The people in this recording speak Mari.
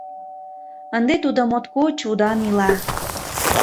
Ынде тудо моткоч удан ила.